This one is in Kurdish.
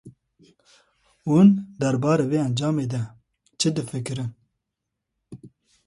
Hûn derbarê vê encamê de çi difikirin?